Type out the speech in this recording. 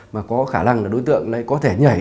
mà có khả năng là đối tượng này có thể nhảy